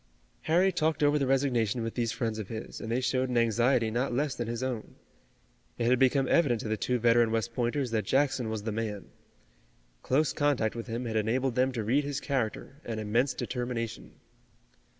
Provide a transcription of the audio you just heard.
Harry talked over the resignation with these friends of his, and they showed an anxiety not less than his own. It had become evident to the two veteran West Pointers that Jackson was the man. Close contact with him had enabled them to read his character and immense determination.